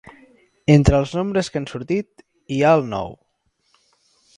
Entre els nombres que han sortit, hi ha el nou.